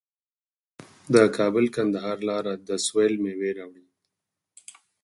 د کابل کندهار لاره د سویل میوې راوړي.